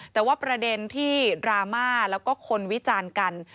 แต่ว่าประเด็นที่ดราม่าแล้วก็คนวิจารณ์กัน